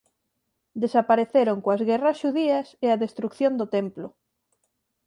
Desapareceron coas guerras xudías e a destrución do Templo.